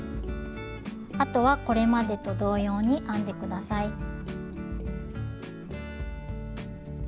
あとはこれまでと同様に編んで下さい。